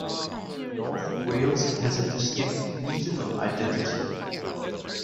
North Wales has a distinct regional identity.